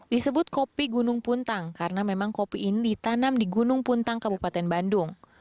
disebut kopi gunung puntang karena memang kopi ini ditanam di gunung puntang kabupaten bandung